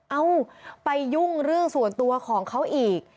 เอ้าไปยุ่งเรื่องส่วนตัวของเขาอีก